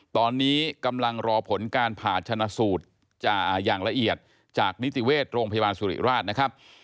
ตอนนี้กำลังรอผลการผ่าชนะสูตรอย่างละเอียดจากนิติเวชโรงพยาบาลสุริราชนะครับ